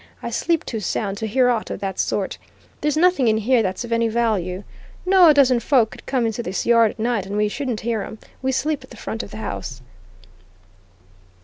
"I sleep too sound to hear aught of that sort. There's nothing in here that's of any value. No a dozen folk could come into this yard at night and we shouldn't hear 'em we sleep at the front of the house."